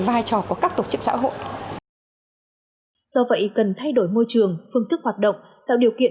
vai trò của các tổ chức xã hội do vậy cần thay đổi môi trường phương thức hoạt động tạo điều kiện